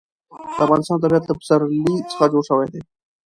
د افغانستان طبیعت له پسرلی څخه جوړ شوی دی.